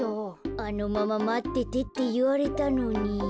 あのまままっててっていわれたのに。